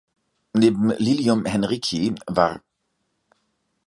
Neben "Lilium henrici" var.